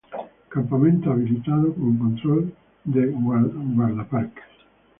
Campamento habilitado con control de Guardaparques.